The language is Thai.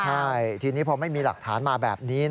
ใช่ทีนี้พอไม่มีหลักฐานมาแบบนี้